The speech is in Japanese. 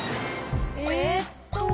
えっと。